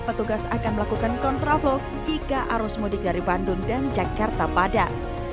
petugas akan melakukan kontraflow jika arus mudik dari bandung dan jakarta padat